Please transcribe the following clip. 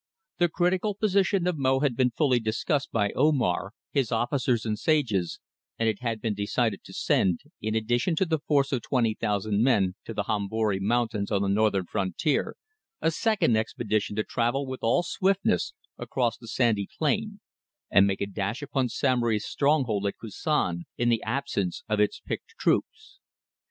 The critical position of Mo had been fully discussed by Omar, his officers and sages, and it had been decided to send, in addition to the force of twenty thousand men to the Hombori Mountains on the northern frontier, a second expedition to travel with all swiftness across the sandy plain and make a dash upon Samory's stronghold at Koussan in the absence of its picked troops.